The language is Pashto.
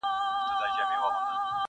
نه مي یاران، نه یارانه سته زه به چیري ځمه!